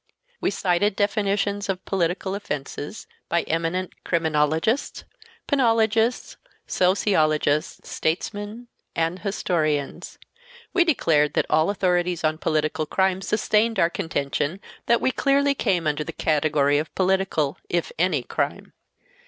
We cited definitions of political offenses by eminent criminologists, penologists, sociologists, statesmen and historians. We declared that all authorities on political crime sustained our contention and that we clearly came under the category of political, if any crime.